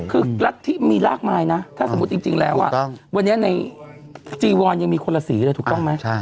คือรัฐที่มีมากมายนะถ้าสมมุติจริงแล้ววันนี้ในจีวอนยังมีคนละสีเลยถูกต้องไหม